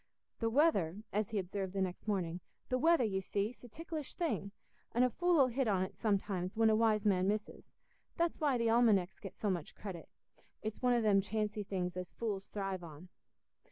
"The weather"—as he observed the next morning—"the weather, you see, 's a ticklish thing, an' a fool 'ull hit on't sometimes when a wise man misses; that's why the almanecks get so much credit. It's one o' them chancy things as fools thrive on."